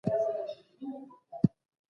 د اقتصادي وضعیت د ښه والي لپاره باید کار وسي.